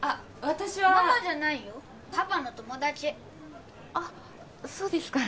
私はママじゃないよパパの友達あっそうですか